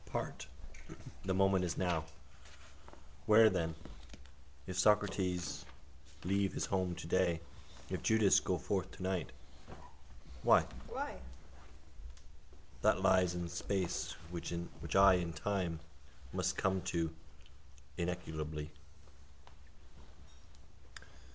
Part. The moment is now. Where then? If Socrates leave his house today, if Judas go forth tonight. Why? That lies in space which I in time must come to, ineluctably.